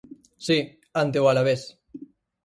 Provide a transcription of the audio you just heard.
Si, ante o Alavés.